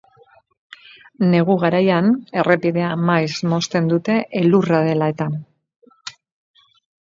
Negu garaian errepidea maiz mozten dute elurra dela eta.